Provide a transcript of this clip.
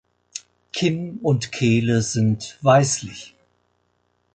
Kinn und Kehle sind weißlich.